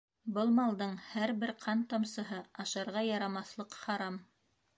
Был малдың һәр бер ҡан тамсыһы ашарға ярамаҫлыҡ харам.